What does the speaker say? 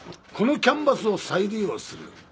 このキャンバスを再利用する。